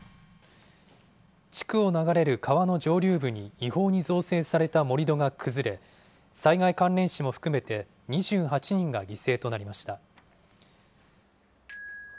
地区を流れる川の上流部に違法に造成された盛り土が崩れ、災害関連死も含めて２８人が犠牲となりました。